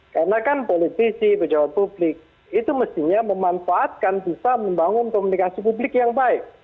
karena kan politisi pejabat publik itu mestinya memanfaatkan bisa membangun komunikasi publik yang baik